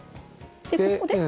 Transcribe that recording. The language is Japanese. でここで？